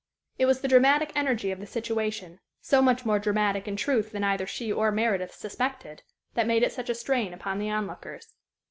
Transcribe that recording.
It was the dramatic energy of the situation so much more dramatic in truth than either she or Meredith suspected that made it such a strain upon the onlookers.